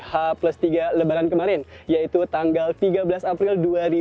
h plus tiga lebaran kemarin yaitu tanggal tiga belas april dua ribu dua puluh